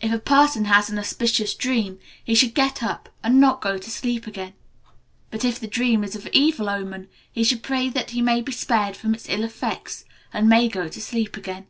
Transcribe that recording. If a person has an auspicious dream, he should get up and not go to sleep again. But, if the dream is of evil omen, he should pray that he may be spared from its ill effects, and may go to sleep again.